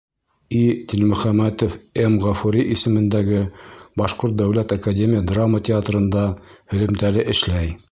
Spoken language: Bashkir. И. Дилмөхәмәтов М. Ғафури исемендәге Башҡорт дәүләт академия драма театрында һөҙөмтәле эшләй.